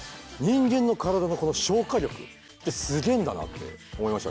人間の体の消化力ってすげえんだなって思いましたね。